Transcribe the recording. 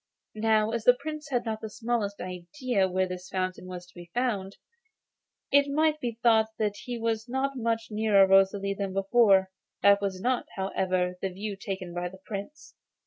Now, as the Prince had not the smallest idea where this fountain was to be found, it might be thought that he was not much nearer Rosalie than before. This was not, however, the view taken by the Prince.